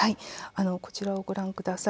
こちらをご覧ください。